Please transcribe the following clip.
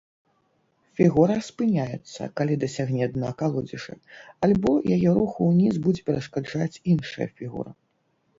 Фігура спыняецца, калі дасягне дна калодзежа, альбо яе руху ўніз будзе перашкаджаць іншая фігура.